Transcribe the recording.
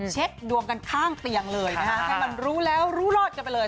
เช็คดวงกันข้างเตียงเลยนะฮะให้มันรู้แล้วรู้รอดกันไปเลย